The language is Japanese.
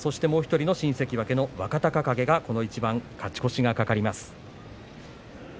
もう１人の新関脇の若隆景がこの一番に勝ち越しが懸かります。